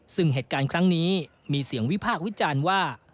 ซึ่งเหตุการณ์ครั้งนี้มีเสียงวิพากษ์วิจารณ์ว่า